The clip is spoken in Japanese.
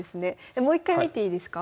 もう一回見ていいですか？